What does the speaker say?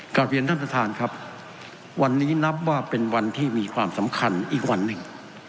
กลับเรียนท่านประธานครับวันนี้นับว่าเป็นวันที่มีความสำคัญอีกวันหนึ่ง